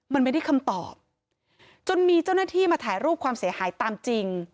มันไม่ได้คำตอบจนมีเจ้าหน้าที่มาถ่ายรูปความเสียหายตามจริง